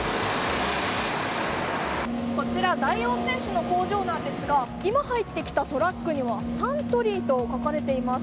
こちら大王製紙の工場なんですが今入ってきたトラックにはサントリーと書かれています。